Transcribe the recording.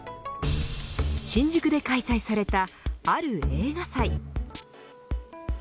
新宿で開催されたある映画祭。